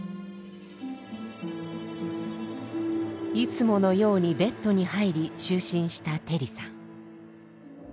いつものようにベッドに入り就寝したテリさん。